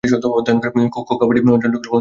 খো খো, কাবাডি আঞ্চলিক খেলাগুলোর মধ্যে অন্যতম।